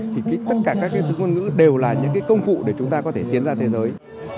thì tất cả các cái thứ ngôn ngữ đều là những cái công cụ để chúng ta có thể tiến ra thế giới